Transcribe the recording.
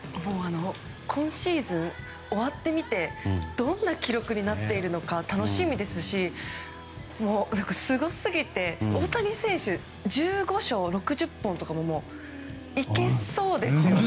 今シーズン終わってみてどんな記録になっているのか楽しみですしすごすぎて、大谷選手１５勝、６０本とかもいけそうですよね。